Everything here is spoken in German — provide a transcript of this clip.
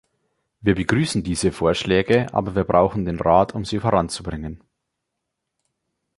Wir begrüßen diese Vorschläge, aber wir brauchen den Rat, um sie voranzubringen.